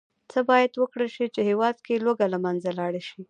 څه باید وکرل شي، چې هېواد کې لوږه له منځه لاړه شي.